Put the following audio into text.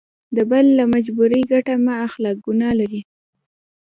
د بل له مجبوري ګټه مه اخله ګنا لري.